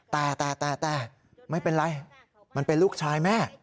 แต่แต่ไม่เป็นไรมันเป็นลูกชายแม่